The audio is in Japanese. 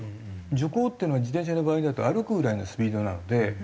徐行っていうのは自転車の場合だと歩くぐらいのスピードなので。